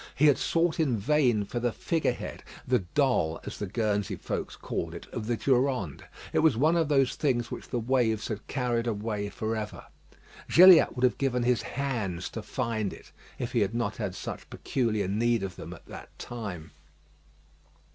He had sought in vain for the figure head the "doll," as the Guernsey folks called it, of the Durande. It was one of the things which the waves had carried away for ever. Gilliatt would have given his hands to find it if he had not had such peculiar need of them at that time.